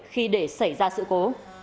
khi để xảy ra sự cố